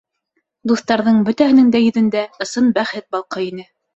Дуҫтарҙың бөтәһенең дә йөҙөндә ысын бәхет балҡый ине.